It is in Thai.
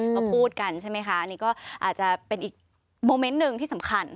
ก็พูดกันใช่ไหมคะนี่ก็อาจจะเป็นอีกโมเมนต์หนึ่งที่สำคัญ